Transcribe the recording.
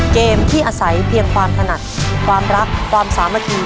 เกมที่อาศัยเพียงความถนัดความรักความสามัคคี